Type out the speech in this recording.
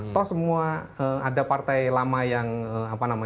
atau semua ada partai lama